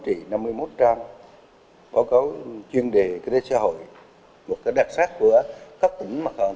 thì cũng là phương hướng quan trọng